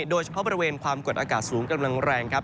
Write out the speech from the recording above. โดยเฉพาะบริเวณความกดอากาศสูงกำลังแรงครับ